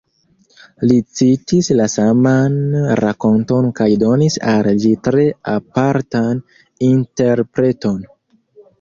Li citis la saman rakonton kaj donis al ĝi tre apartan interpreton.